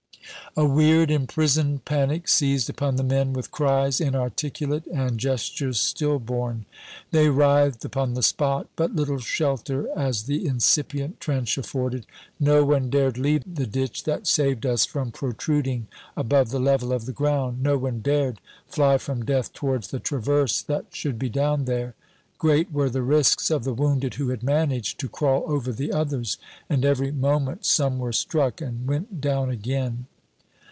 A weird imprisoned panic seized upon the men with cries inarticulate and gestures stillborn. They writhed upon the spot. But little shelter as the incipient trench afforded, no one dared leave the ditch that saved us from protruding above the level of the ground, no one dared fly from death towards the traverse that should be down there. Great were the risks of the wounded who had managed to crawl over the others, and every moment some were struck and went down again.